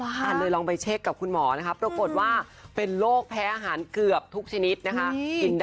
เลยลองไปเช็คกับคุณหมอนะคะปรากฏว่าเป็นโรคแพ้อาหารเกือบทุกชนิดนะคะ